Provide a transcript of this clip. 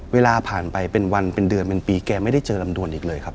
เวลาผ่านไปเป็นวันเป็นเดือนเป็นปีแกไม่ได้เจอลำดวนอีกเลยครับ